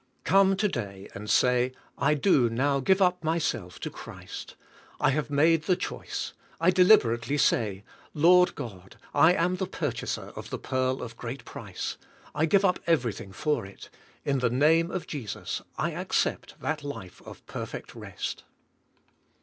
Come to day and say: "I do now give up myself to Christ. I have made the choice. I deliberately say, 'Lord God, I am the purchaser of the pearl of great price. I give up everything for it. In the name of Jesus I accept that life of perfect rest."'